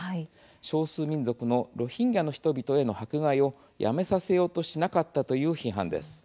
少数民族のロヒンギャの人々への迫害をやめさせようとしなかったという批判です。